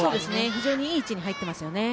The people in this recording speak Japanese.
非常にいい位置に入っていますね。